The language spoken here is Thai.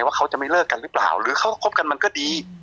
ว่าเขาจะไม่เลิกกันหรือเปล่าหรือเขาก็คบกันมันก็ดี